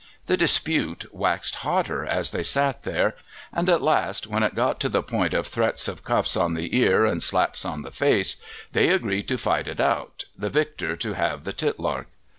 The dispute waxed hotter as they sat there, and at last when it got to the point of threats of cuffs on the ear and slaps on the face they agreed to fight it out, the victor to have the titlark.